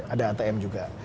ada atm juga